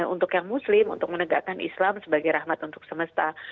untuk yang muslim untuk menegakkan islam sebagai rahmat untuk semesta